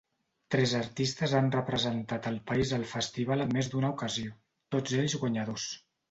Tres artistes han representat el país al festival en més d'una ocasió, tots ells guanyadors.